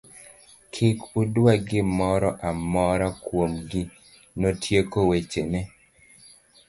Kik udwa gimoro amora kuom gi, notieko weche ne.